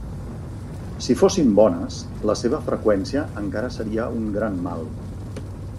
Si fossin bones, la seva freqüència encara seria un gran mal.